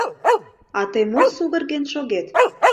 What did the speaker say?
А тый мо сугырген шогет?